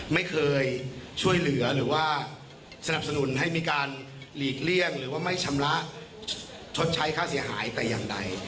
ไม่เคยช่วยเหลือหรือว่าสนับสนุนให้มีการหลีกเลี่ยงหรือว่าไม่ชำระชดใช้ค่าเสียหายแต่อย่างใด